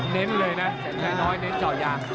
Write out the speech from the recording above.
เน้นเลยนะแสนชัยน้อยเน้นเจาะยาง